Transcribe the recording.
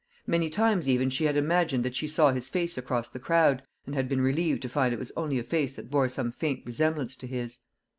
Many times even she had imagined that she saw his face across the crowd, and had been relieved to find it was only a face that bore some faint resemblance to his.